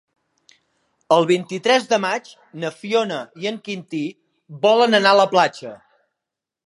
El vint-i-tres de maig na Fiona i en Quintí volen anar a la platja.